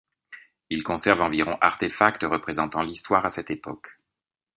Il conserve environ artefacts représentant l’histoire à cette époque.